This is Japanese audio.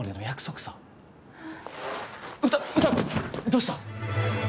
どうした？